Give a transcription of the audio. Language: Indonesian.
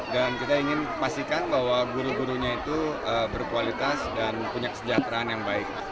dan kita ingin memastikan bahwa guru gurunya itu berkualitas dan punya kesejahteraan yang baik